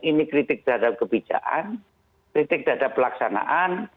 ini kritik terhadap kebijakan kritik terhadap pelaksanaan